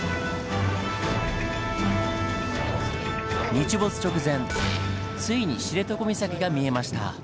日没直前ついに知床岬が見えました。